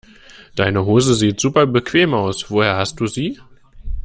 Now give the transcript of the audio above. Deine Hose sieht super bequem aus, woher hast du sie?